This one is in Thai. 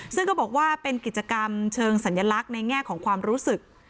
ซึ่งก็บอกว่าเป็นกิจกรรมเชิงสัญลักษณ์ในแง่ของความรู้สึก